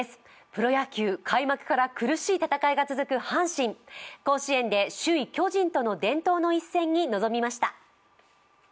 プロ野球、開幕から苦しい戦いが続く阪神、甲子園で首位・巨人との伝統の一戦に臨みました。